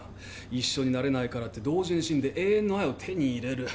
一緒になれないからって同時に死んで永遠の愛を手に入れる。